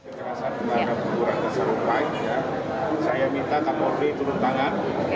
saya minta kak mowri turun tangan